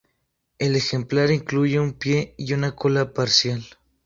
El ejemplar incluye un pie y una cola parcial.